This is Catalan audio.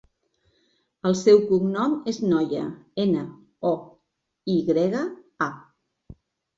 El seu cognom és Noya: ena, o, i grega, a.